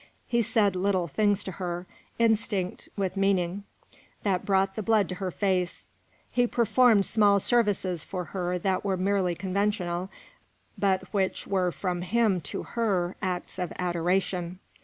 He said little things to her, instinct with meaning, that brought the blood to her face. He performed small services for her that were merely conventional, but which were from him to her acts of adoration.